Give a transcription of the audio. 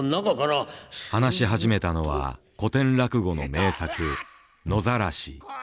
話し始めたのは古典落語の名作「野ざらし」。